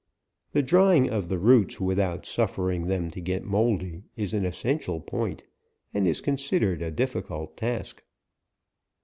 The drying of the roots without suffering them to get mouldy, is an essential point, and is con sidered a difficult task.